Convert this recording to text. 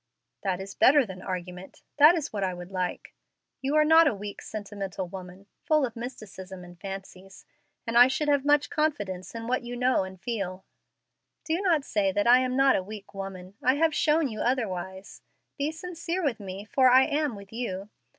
"That is better than argument that is what I would like. You are not a weak, sentimental woman, full of mysticism and fancies, and I should have much confidence in what you know and feel." "Do not say that I am not a weak woman; I have shown you otherwise. Be sincere with me, for I am with you.